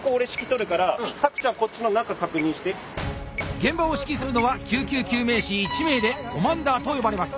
現場を指揮するのは救急救命士１名で「コマンダー」と呼ばれます。